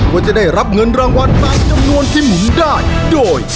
ว่าจะได้รับเงินรางวัลตามจำนวนที่หมุนได้โดย